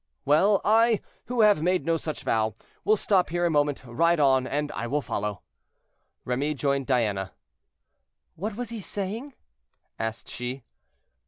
"Well, I, who have made no such vow, will stop here a moment; ride on, and I will follow." Remy rejoined Diana. "What was he saying?" asked she.